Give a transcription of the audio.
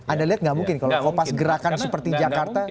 anda lihat nggak mungkin kalau kopas gerakan seperti jakarta